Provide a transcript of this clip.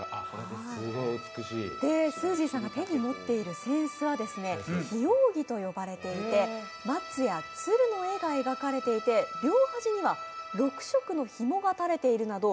すーじーさんが手に持っているせんすは檜扇と呼ばれていて松や鶴の絵が描かれていて両端には６色のひもがたれているなど